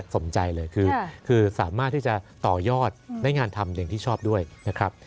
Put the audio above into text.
สมใจเลยคือสามารถที่จะต่อยอดได้งานทำอย่างที่ชอบด้วยนะครับ